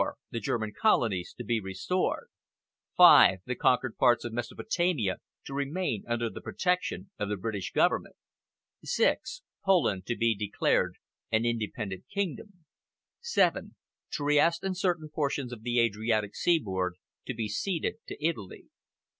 The German colonies to be restored. 5. The conquered parts of Mesopotamia to remain under the protection of the British Government. 6. Poland to be declared an independent kingdom. 7. Trieste and certain portions of the Adriatic seaboard to be ceded to Italy.